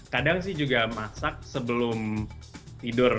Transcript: kadang sih juga masak sebelum tidur